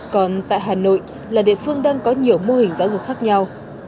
còn tại hà nội là địa phương đang có nhiều mô hình giáo dục khác nhau